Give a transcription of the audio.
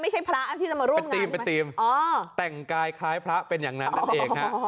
ไม่ใช่พระนะที่จะมาร่วมเป็นธีมเป็นธีมแต่งกายคล้ายพระเป็นอย่างนั้นนั่นเองฮะ